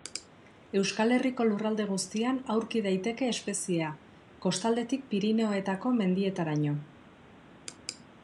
Euskal Herriko lurralde guztian aurki daiteke espeziea, kostaldetik Pirinioetako mendietaraino.